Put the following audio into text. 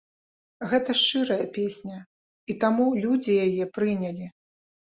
Гэта шчырая песня, і таму людзі яе прынялі.